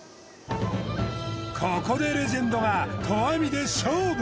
ここでレジェンドが投網で勝負！